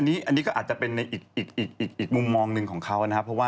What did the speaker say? นี่ก็อาจจะเป็นในอีกมุมมองหนึ่งของเค้านะฮะ